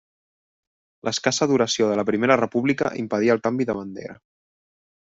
L'escassa duració de la Primera República impedí el canvi de bandera.